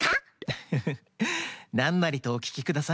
フフフなんなりとおききください。